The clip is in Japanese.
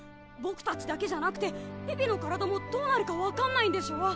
ボクたちだけじゃなくてピピの体もどうなるか分かんないんでしょ？